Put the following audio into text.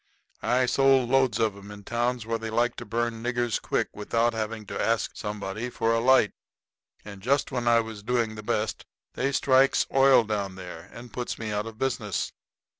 I sold loads of 'em in towns where they like to burn niggers quick, without having to ask somebody for a light. And just when I was doing the best they strikes oil down there and puts me out of business.